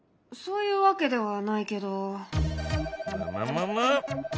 そういうわけではないけど。